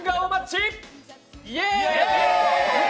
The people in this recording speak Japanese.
イエーイ！